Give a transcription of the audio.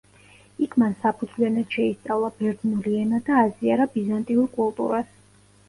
იქ მან საფუძვლიანად შეისწავლა ბერძნული ენა და აზიარა ბიზანტიურ კულტურას.